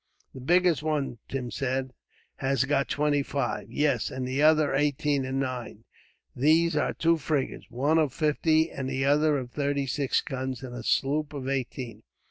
"The biggest one," Tim said, "has got twenty five." "Yes; and the others eighteen and nine. They are two frigates, one of fifty and the other of thirty six guns; and a sloop of eighteen.